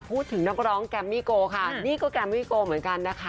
พูดถึงนักร้องแกมมี่โกค่ะนี่ก็แกมมี่โกเหมือนกันนะคะ